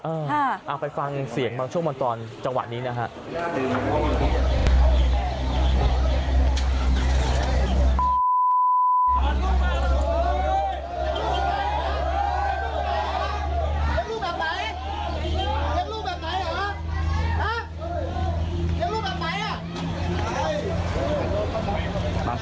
เอาไปฟังเสียงบางช่วงบางตอนจังหวะนี้นะฮะ